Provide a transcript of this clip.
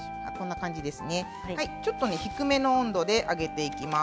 ちょっと低めの温度で揚げていきます。